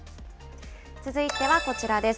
続いてはこちらです。